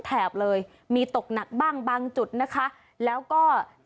ฮัลโหลฮัลโหลฮัลโหลฮัลโหล